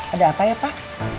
ada apa ya pak